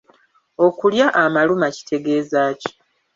Okulya amaluma kitegeeza ki?